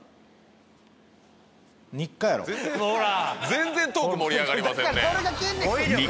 全然トーク盛り上がりませんね。